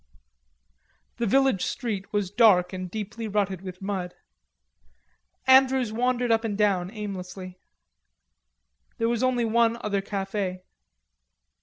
The village street was dark and deeply rutted with mud. Andrews wandered up and down aimlessly. There was only one other cafe.